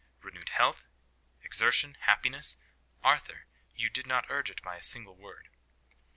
Renewed health, exertion, happiness! Arthur, you did not urge it by a single word."